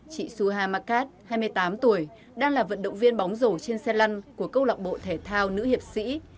chị suha makat hai mươi tám tuổi đang là vận động viên bóng rổ trên xe lăn của công lọc bộ thể thao nữ hiệp sĩ